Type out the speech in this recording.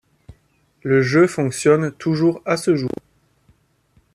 Le jeu fonctionne toujours à ce jour.